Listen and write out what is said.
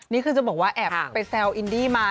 นี่คือจะบอกว่าแอบไปแซวอินดี้มา